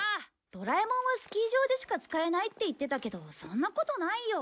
ドラえもんはスキー場でしか使えないって言ってたけどそんなことないよ。